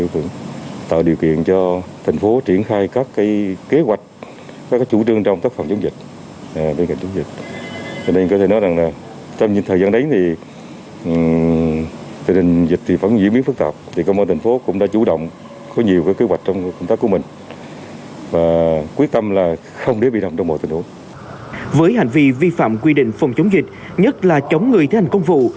với hành vi vi phạm quy định phòng chống dịch nhất là chống người thể hành công vụ